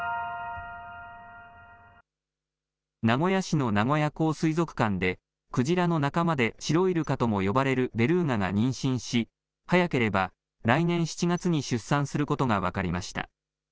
名古屋市の名古屋港水族館でクジラの仲間でシロイルカとも呼ばれるベルーガが妊娠し早ければ来年７月に出産することが分かりました。